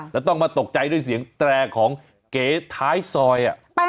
แล้วต้องมาตกใจด้วยเสียงแตรของเก๋ท้ายซอย